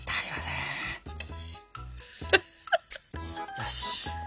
よし！